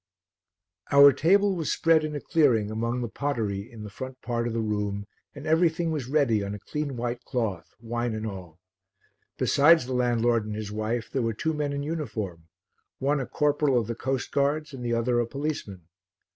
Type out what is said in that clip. Our table was spread in a clearing among the pottery in the front part of the room and everything was ready on a clean white cloth, wine and all. Besides the landlord and his wife there were two men in uniform, one a corporal of the coastguards and the other a policeman.